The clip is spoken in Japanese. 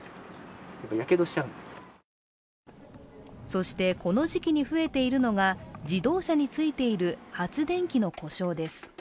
そして、この時期に増えているのが自動車についている発電機の故障です。